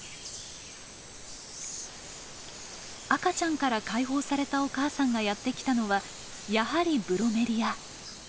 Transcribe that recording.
赤ちゃんから解放されたお母さんがやって来たのはやはりブロメリア。